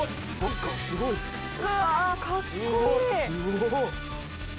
すごい！